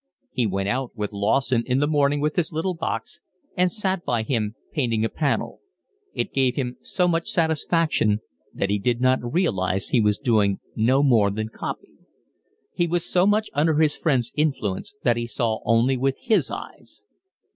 He went out with Lawson in the morning with his little box and sat by him painting a panel; it gave him so much satisfaction that he did not realise he was doing no more than copy; he was so much under his friend's influence that he saw only with his eyes.